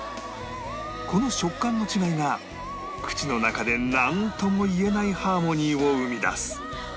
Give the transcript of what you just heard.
この食感の違いが口の中でなんともいえないハーモニーを生み出す